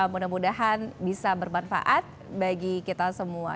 mudah mudahan bisa bermanfaat bagi kita semua